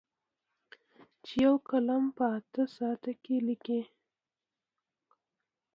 چې یو کالم په اته ساعته کې لیکي.